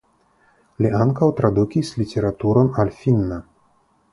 Li ankaŭ tradukis literaturon al finna.